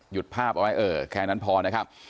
หยุดภาพเอาไว้แค่นั้นพอนะครับ